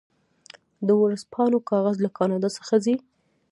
د ورځپاڼو کاغذ له کاناډا څخه ځي.